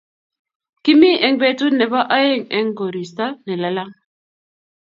kimi eng' betut nebo aeng eng koristo ne lalang